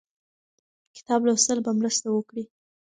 کتاب لوستل به مرسته وکړي.